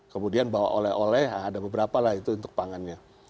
kemudian bawa oleh oleh ada beberapa lah itu untuk pangannya